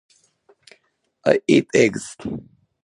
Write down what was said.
I eat eggs.